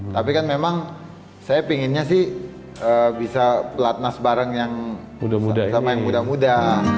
tapi kan memang saya pinginnya sih bisa pelatnas bareng yang sama yang muda muda